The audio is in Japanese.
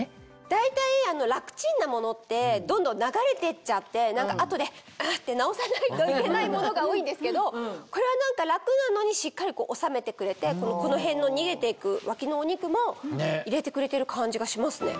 大体楽チンなものってどんどん流れてっちゃって後でんって直さないといけないものが多いんですけどこれは何か楽なのにしっかり収めてくれてこの辺の逃げていく脇のお肉も入れてくれてる感じがしますね。